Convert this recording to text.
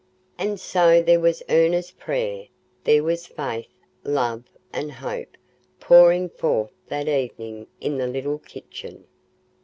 And so there was earnest prayer—there was faith, love, and hope pouring forth that evening in the little kitchen.